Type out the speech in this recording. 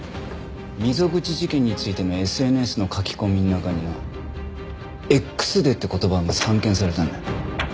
溝口事件についてのＳＮＳの書き込みの中にな「Ｘデー」って言葉が散見されたんだ。